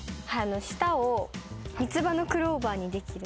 舌を三つ葉のクローバーにできるんです。